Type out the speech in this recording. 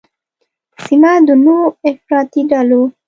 سیمه د نوو افراطي ډلو